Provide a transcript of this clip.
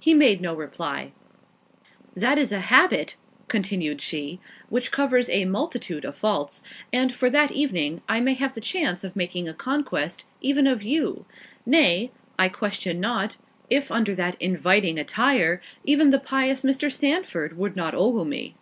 He made no reply. "That is a habit," continued she, "which covers a multitude of faults—and, for that evening, I may have the chance of making a conquest even of you—nay, I question not, if under that inviting attire, even the pious Mr. Sandford would not ogle me."